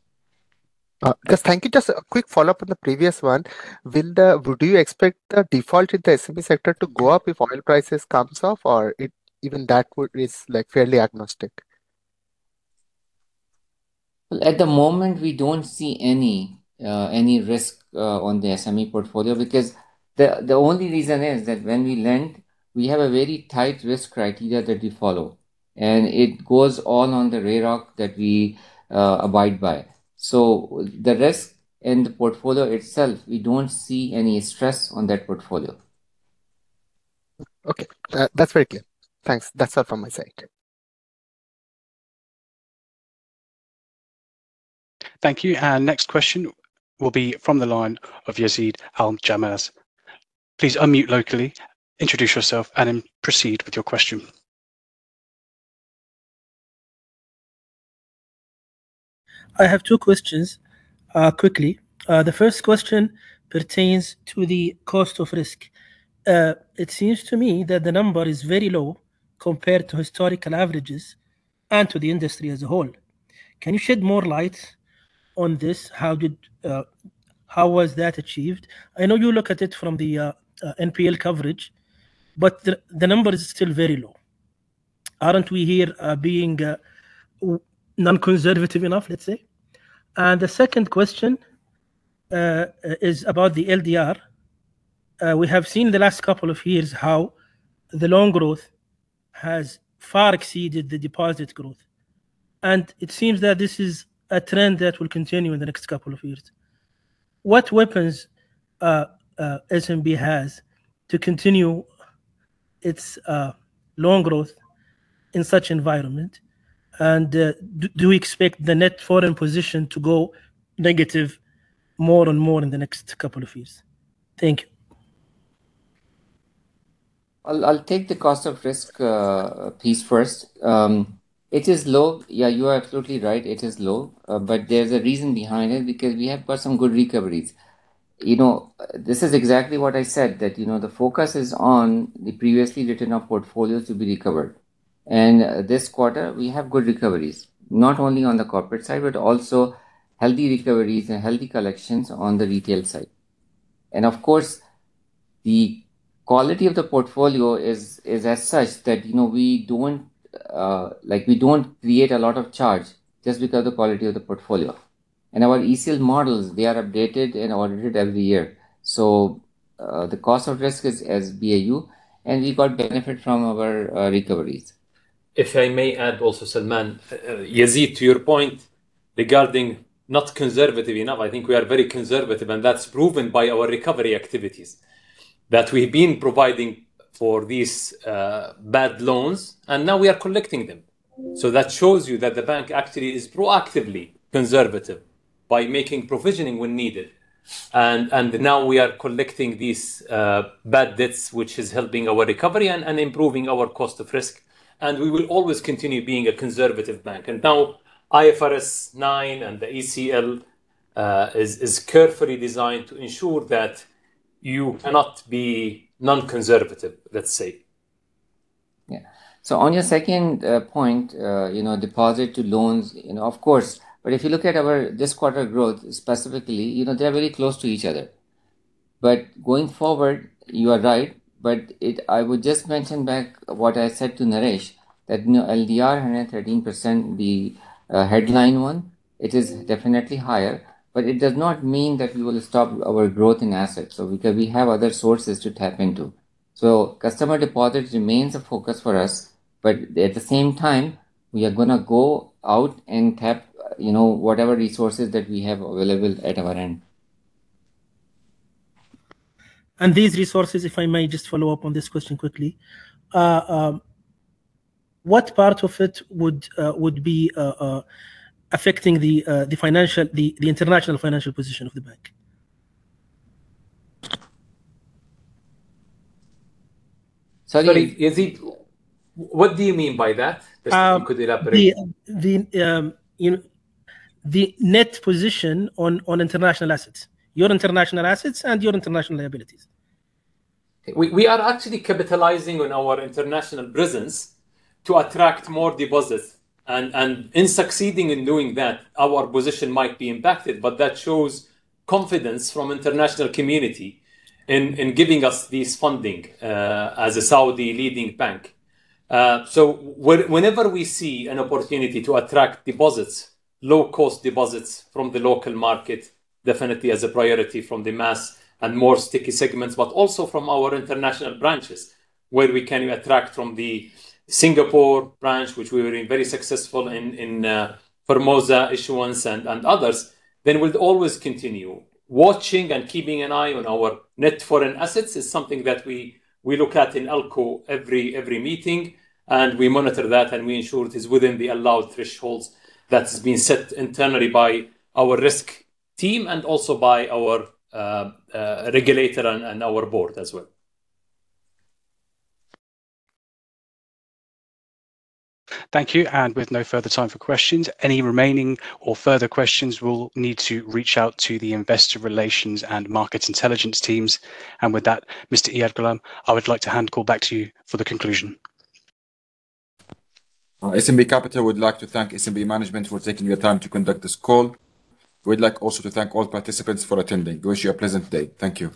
Just thank you. Just a quick follow-up on the previous one. Do you expect the default in the SME sector to go up if oil prices comes up or it even that would, is like fairly agnostic? Well, at the moment we don't see any risk on the SME portfolio because the only reason is that when we lend, we have a very tight risk criteria that we follow, and it goes all on the RAROC that we abide by. The risk in the portfolio itself, we don't see any stress on that portfolio. Okay. That's very clear. Thanks. That's all from my side. Okay. Thank you. Next question will be from the line of Yazeed Aljammaz. Please unmute locally, introduce yourself, and then proceed with your question. I have two questions, quickly. The first question pertains to the cost of risk. It seems to me that the number is very low compared to historical averages and to the industry as a whole. Can you shed more light on this? How was that achieved? I know you look at it from the NPL coverage, but the number is still very low. Aren't we here being non-conservative enough, let's say? The second question is about the LDR. We have seen the last couple of years how the loan growth has far exceeded the deposit growth, and it seems that this is a trend that will continue in the next couple of years. What weapons SNB has to continue its loan growth in such environment? Do we expect the net foreign position to go negative more and more in the next couple of years? Thank you. I'll take the cost of risk piece first. It is low. Yeah, you are absolutely right, it is low. There's a reason behind it because we have got some good recoveries. You know, this is exactly what I said that, you know, the focus is on the previously written-off portfolios to be recovered. This quarter we have good recoveries, not only on the corporate side, but also healthy recoveries and healthy collections on the retail side. Of course, the quality of the portfolio is as such that, you know, we don't like, we don't create a lot of charge just because the quality of the portfolio. Our ECL models, they are updated and audited every year. The cost of risk is as BAU, and we got benefit from our recoveries. If I may add also, Salman. Yazeed, to your point regarding not conservative enough, I think we are very conservative, and that's proven by our recovery activities. That we've been providing for these bad loans, and now we are collecting them. That shows you that the bank actually is proactively conservative by making provisioning when needed. Now we are collecting these bad debts, which is helping our recovery and improving our cost of risk. We will always continue being a conservative bank. Now IFRS 9 and the ECL is carefully designed to ensure that you cannot be non-conservative, let's say. Yeah. On your second point, you know, deposit to loans, you know, of course. But if you look at our this quarter growth specifically, you know, they're very close to each other. But going forward, you are right, but it. I would just mention back what I said to Naresh that, you know, LDR 100%, the headline one, it is definitely higher, but it does not mean that we will stop our growth in assets. Because we have other sources to tap into. Customer deposits remains a focus for us, but at the same time, we are gonna go out and tap, you know, whatever resources that we have available at our end. These resources, if I may just follow up on this question quickly. What part of it would be affecting the international financial position of the bank? Sorry, Yazeed, what do you mean by that? Just so you could elaborate. You know, the net position on international assets. Your international assets and your international liabilities. We are actually capitalizing on our international presence to attract more deposits. In succeeding in doing that, our position might be impacted, but that shows confidence from international community in giving us this funding, as a Saudi leading bank. Whenever we see an opportunity to attract deposits, low-cost deposits from the local market, definitely as a priority from the mass and more sticky segments, but also from our international branches where we can attract from the Singapore branch, which we've been very successful in Formosa issuance and others, then we'll always continue. Watching and keeping an eye on our net foreign assets is something that we look at in ALCO every meeting, and we monitor that, and we ensure it is within the allowed thresholds that's been set internally by our risk team and also by our regulator and our board as well. Thank you. With no further time for questions, any remaining or further questions will need to reach out to the investor relations and market intelligence teams. With that, Mr. Iyad Ghulam, I would like to hand the call back to you for the conclusion. SNB Capital would like to thank SNB management for taking the time to conduct this call. We'd like also to thank all participants for attending. We wish you a pleasant day. Thank you.